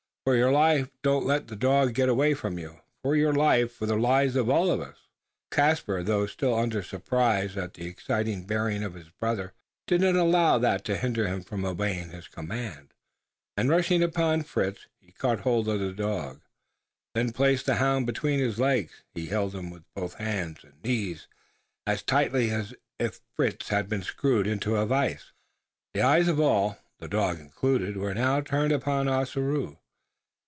For your life don't let the dog get away from you; for your life for the lives of all of us!" Caspar, though still under surprise at the excited bearing of his brother, did not allow that to hinder him from obeying his command, and rushing upon Fritz, he caught hold of the dog. Then placing the hound between his legs, he held him with both hands and knees as tightly as if Fritz had been screwed in a vice. The eyes of all the dog included were now turned upon Ossaroo.